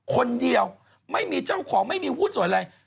คนเดียวไม่มีเจ้าของไม่มีหุ้นส่วนอะไร